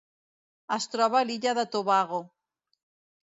Es troba a l'illa de Tobago.